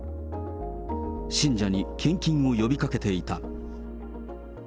信者に献金を呼びかけていた。